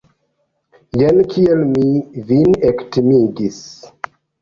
Jen kiel mi vin ektimigis!